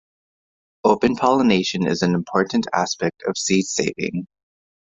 Open pollination is an important aspect of seed saving.